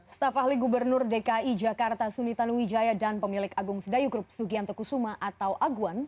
staf ahli gubernur dki jakarta suni taluwijaya dan pemilik agung sedayu grup sugianto kusuma atau aguan